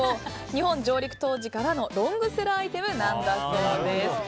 日本上陸当時からのロングセラーアイテムなんだそうです。